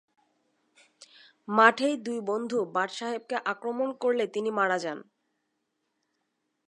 মাঠেই দুই বন্ধু বার্জ সাহেবকে আক্রমণ করলে তিনি মারা যান।